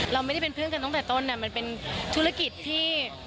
เราไม่ได้เป็นเพื่อนกันตั้งแต่ต้นมันเป็นธุรกิจที่